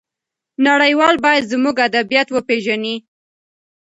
نړيوال بايد زموږ ادبيات وپېژني.